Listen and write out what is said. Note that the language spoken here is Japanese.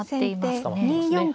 捕まっていますね。